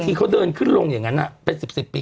ที่เขาเดินขึ้นลงอย่างนั้นเป็น๑๐ปี